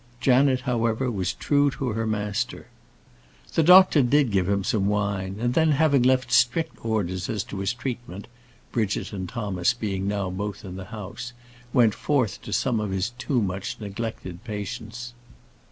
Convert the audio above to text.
Janet, however, was true to her master. The doctor did give him some wine; and then, having left strict orders as to his treatment Bridget and Thomas being now both in the house went forth to some of his too much neglected patients.